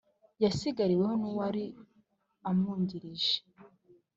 yasigariweho n'uwari amwungirije